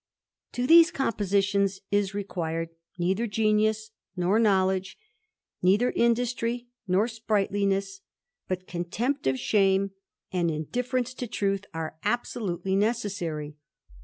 To these compositions is required neither genius nor knowledge, neither industry nor spright fciess ; but contempt of shame and indifference to truth are absolutely necessary.